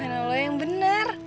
subhanallah yang bener